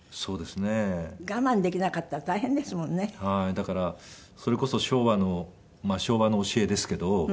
だからそれこそ昭和の教えですけど。